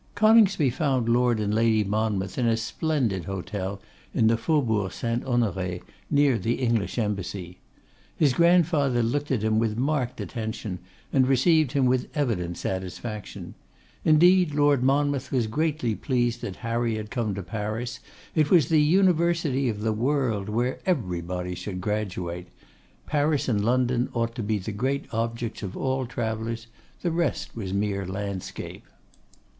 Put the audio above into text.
Coningsby found Lord and Lady Monmouth in a splendid hotel in the Faubourg St. Honoré, near the English Embassy. His grandfather looked at him with marked attention, and received him with evident satisfaction. Indeed, Lord Monmouth was greatly pleased that Harry had come to Paris; it was the University of the World, where everybody should graduate. Paris and London ought to be the great objects of all travellers; the rest was mere landscape.